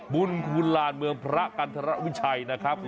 บุญคูรานเมืองพระกันธราบุญชัย